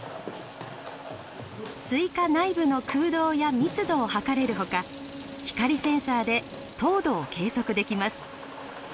スイカ内部の空洞や密度を測れるほか光センサーで糖度を計測できます。